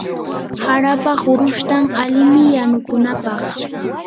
harapa qurushtan alimi yanukunapaq.